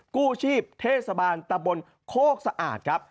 กู้ชีพเทศบาลตะบนโคกสะอาดครับ